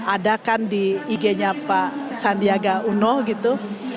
ada kan di ig nya pak sandiaga uno gitu